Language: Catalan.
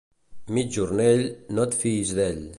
Migjornell, no et fiïs d'ell.